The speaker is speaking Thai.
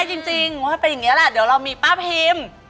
จริงว่าเป็นอย่างนี้แหละเดี๋ยวเรามีป้าพิม